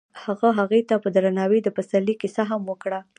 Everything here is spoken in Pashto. هغه هغې ته په درناوي د پسرلی کیسه هم وکړه.